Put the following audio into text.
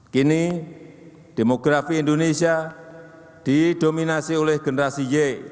kini demografi indonesia didominasi oleh generasi y